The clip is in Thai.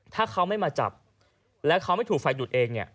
ถ้าเขาไม่มาจับแล้วเขาไม่ถูกไฟดูดเองเนี่ย